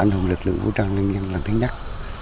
anh hùng lực lượng vũ trang nhân dân làm tiếng nhắc